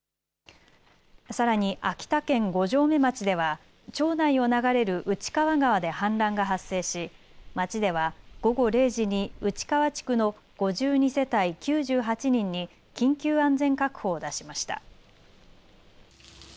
さらに秋田県五城目町では町内を流れる内川川で氾濫が発生し町では午後０時に内川地区の５２世帯９８人に緊急安全確保を出しました。